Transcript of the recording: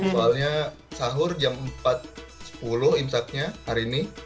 soalnya sahur jam empat sepuluh imsaknya hari ini